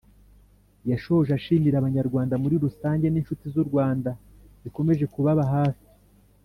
Yashoje ashimira Abanyarwanda muri rusange n inshuti z u Rwanda zikomeje kubaba hafi